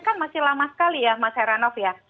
kan masih lama sekali ya mas heranov ya